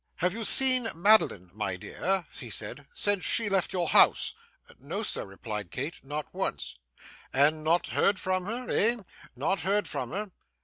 'Have you seen Madeline, my dear,' he said, 'since she left your house?' 'No, sir!' replied Kate. 'Not once.' 'And not heard from her, eh? Not heard from her?